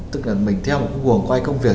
tức là mình theo một cuồng quay công việc